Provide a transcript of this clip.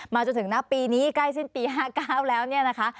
จนถึงณปีนี้ใกล้สิ้นปี๕๙แล้วเนี่ยนะคะ